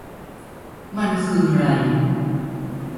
มันคือไร